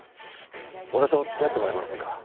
俺と付き合ってもらえませんか？